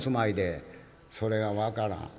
「それが分からん」。